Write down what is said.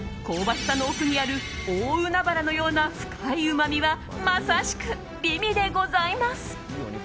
香ばしさの奥にある大海原のような深いうまみはまさしく美味でございます。